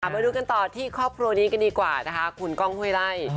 มาดูกันต่อที่ครอบครัวนี้กันดีกว่านะคะคุณก้องห้วยไล่